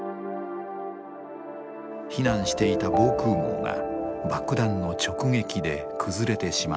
避難していた防空壕が爆弾の直撃で崩れてしまったのです。